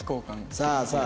さあさあ